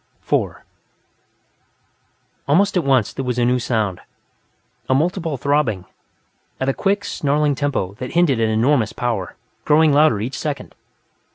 4 Almost at once, there was a new sound a multiple throbbing, at a quick, snarling tempo that hinted at enormous power, growing louder each second.